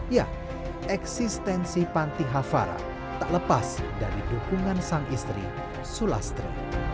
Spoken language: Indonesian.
ya eksistensi panti hafara tak lepas dari dukungan sang istri sulastri